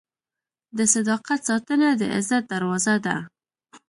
د صداقت ساتنه د عزت دروازه ده.